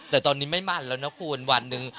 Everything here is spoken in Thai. แต่ตอนนี้ไม่มั่นแล้วนะคุณวันหนึ่ง